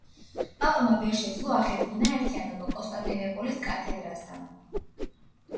პაპმა ვერ შეძლო აღედგინა ერთიანობა კონსტანტინოპოლის კათედრასთან.